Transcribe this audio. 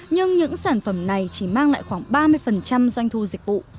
nhưng những sản phẩm này chỉ mang lại khoảng ba mươi doanh thu dịch vụ